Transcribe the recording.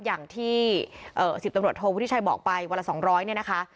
อย่างที่๑๐ตำรวจโทวุฒิชัยบอกไปวันละ๒๐๐เนี่ยนะคะ